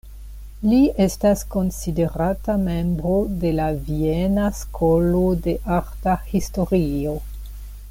Li estas konsiderata membro de la "Viena Skolo de Arta Historio".